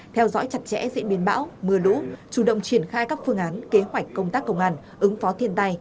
theo dõi chặt chẽ diễn biến bão mưa lũ chủ động triển khai các phương án kế hoạch công tác công an ứng phó thiên tai